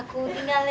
makasih ya anak